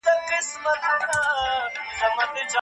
که کورنۍ تسویق وکړي، زده کړه نه پرېښودل کيږي.